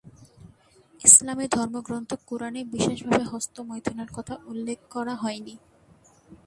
ইসলামী ধর্মগ্রন্থ কুরআনে বিশেষভাবে হস্তমৈথুনের কথা উল্লেখ করা হয়নি।